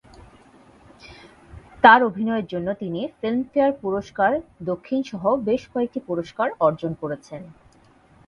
তার অভিনয়ের জন্য তিনি ফিল্মফেয়ার পুরস্কার দক্ষিণ সহ বেশ কয়েকটি পুরস্কার অর্জন করেছেন।